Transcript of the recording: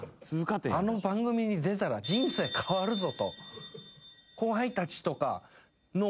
あの番組に出たら人生変わるぞと。